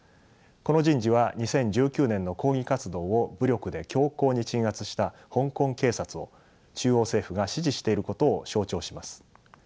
この人事は２０１９年の抗議活動を武力で強硬に鎮圧した香港警察を中央政府が支持していることを象徴します。